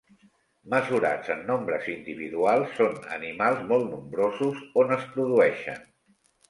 Mesurats en nombres individuals, són animals molt nombrosos on es produeixen.